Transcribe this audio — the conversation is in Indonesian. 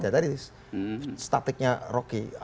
tadi statiknya roky